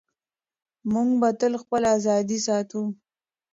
موږ به تل خپله ازادي ساتو.